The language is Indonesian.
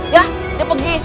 ya dia pergi